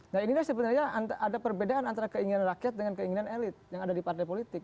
nah inilah sebenarnya ada perbedaan antara keinginan rakyat dengan keinginan elit yang ada di partai politik